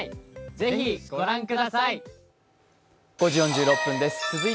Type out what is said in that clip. ぜひご覧ください。